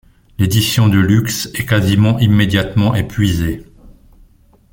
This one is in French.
L'édition de luxe est quasiment immédiatement épuisée.